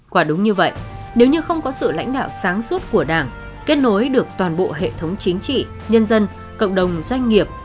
quả đúng như vậy nếu như không có sự lãnh đạo sáng suốt của đảng kết nối được toàn bộ hệ thống chính trị nhân dân cộng đồng doanh nghiệp